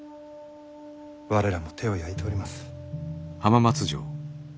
我らも手を焼いております。